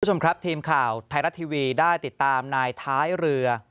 คุณผู้ชมครับทีมข่าวไทยรัฐทีวีได้ติดตามนายท้ายเรือ